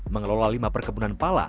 mengelola lima perkebunan pala